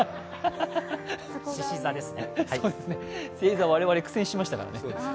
星座は我々苦戦しましたからね。